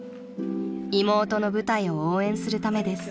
［妹の舞台を応援するためです］